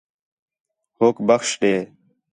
ہوک بخش ݙے